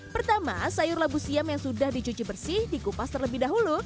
pertama sayur labu siam yang sudah dicuci bersih dikupas terlebih dahulu